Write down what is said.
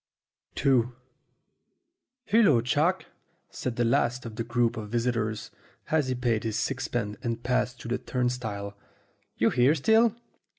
ii "HULLO, Chalk," said the last of the group of visitors, as he paid his sixpence and passed through the turn stile. "You here still?"